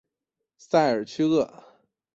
塞尔屈厄。